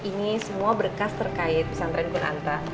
ini semua berkas terkait pesan tren kunanta